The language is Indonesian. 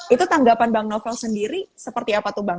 itu tanggapan bang novel sendiri seperti apa tuh bang